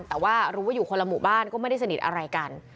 แต่ว่ารู้ว่าอยู่คนละหมู่บ้านก็ไม่ได้สนิทอะไรกัน